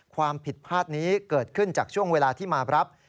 ความผิดพลาดนี้เกิดขึ้นจากช่วงเวลาที่มารับ